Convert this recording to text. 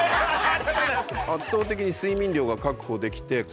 圧倒的に睡眠量が確保できてサイクルが